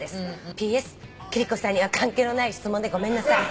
「ＰＳ貴理子さんには関係のない質問でごめんなさい」